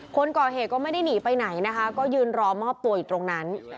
คนก่อเหตุก็ไม่ได้หนีไปไหนนะคะก็ยืนรอมอบตัวอยู่ตรงนั้น